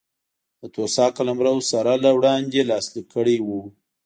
د توسا قلمرو سره له وړاندې لاسلیک کړی و.